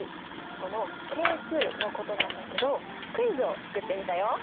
その「係数」のことなんだけどクイズをつくってみたよ！